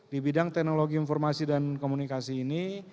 di bidang teknologi informasi dan komunikasi ini